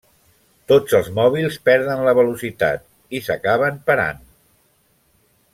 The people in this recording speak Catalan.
Tots els mòbils perden la velocitat i s'acaben parant.